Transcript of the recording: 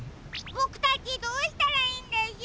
ボクたちどうしたらいいんでしょう？